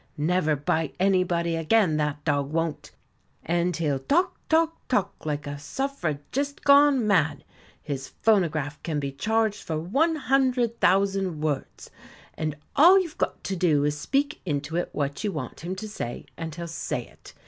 Never bite anybody again, that dog won't. And he'll talk, talk, talk, like a suffragist gone mad; his phonograph can be charged for 100,000 words, and all you've got to do is to speak into it what you want him to say, and he'll say it.